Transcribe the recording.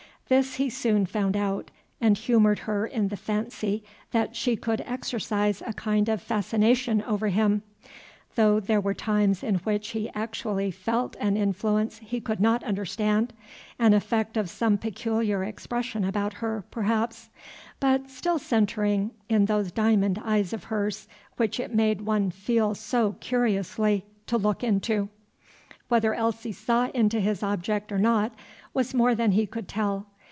This he soon found out, and humored her in the fancy that she could exercise a kind of fascination over him, though there were times in which he actually felt an influence he could not understand, an effect of some peculiar expression about her, perhaps, but still centring in those diamond eyes of hers which it made one feel so curiously to look into. Whether Elsie saw into his object or not was more than he could tell.